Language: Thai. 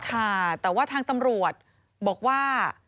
ค่ะแต่ว่าทางตำรวจบอกว่า